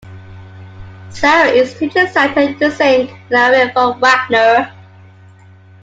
Sarah is teaching Santa to sing an aria from Wagner.